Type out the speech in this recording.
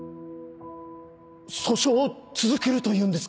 訴訟を続けるというんですか？